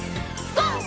ＧＯ！